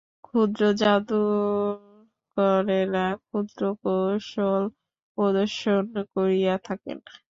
ক্ষুদ্র জাদুকরেরা ক্ষুদ্র কৌশল প্রদর্শন করিয়া থাকেন।